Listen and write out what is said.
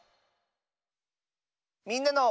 「みんなの」。